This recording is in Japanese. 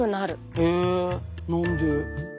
へえ何で？